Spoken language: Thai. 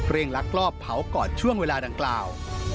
ลักลอบเผาก่อนช่วงเวลาดังกล่าว